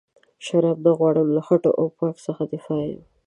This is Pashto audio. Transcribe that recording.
شراب نه غواړم له خټو او پاک څخه فارغ یم.